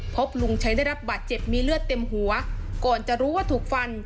พบลุงชัยได้รับบาดเจ็บมีเลือดเต็มหัวก่อนจะรู้ว่าถูกฟัน